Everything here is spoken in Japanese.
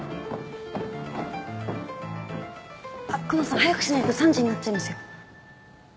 あっ久能さん早くしないと３時になっちゃいますよ。